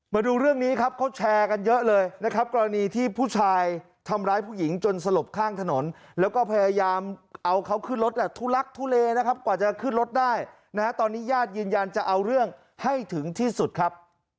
มาดูเรื่องนี้ครับเขาแชร์กันเยอะเลยนะครับกรณีที่ผู้ชายทำร้ายผู้หญิงจนสลบข้างถนนแล้วก็พยายามเอาเขาขึ้นรถแหละทุลักทุเลนะครับกว่าจะขึ้นรถได้นะฮะตอนนี้ญาติยืนยันจะเอาเรื่องให้ถึงที่สุดครับ